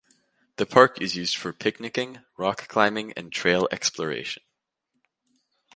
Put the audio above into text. The park is used for picnicking, rock climbing, and trail exploration.